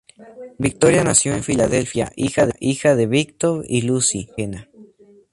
Victoria nació en Filadelfia, hija de Víctor y Lucy Cartagena.